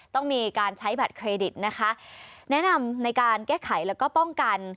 ต้องมีการใช้บัตรเครดิตนะคะแนะนำในการแก้ไขแล้วก็ป้องกัน